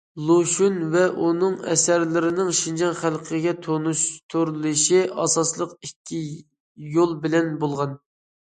لۇشۈن ۋە ئۇنىڭ ئەسەرلىرىنىڭ شىنجاڭ خەلقىگە تونۇشتۇرۇلۇشى ئاساسلىقى ئىككى يول بىلەن بولغان.